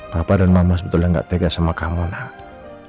papa dan mama betulnya gak tegak sama kamu nam